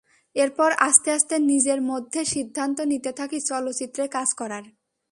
এরপর আস্তে আস্তে নিজের মধ্যে সিদ্ধান্ত নিতে থাকি চলচ্চিত্রে কাজ করার।